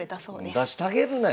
出してあげるなよ